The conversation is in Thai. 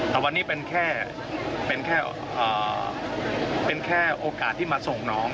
แต่วันนี้เป็นแค่โอกาสที่มาส่งน้อง